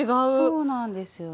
そうなんですよね。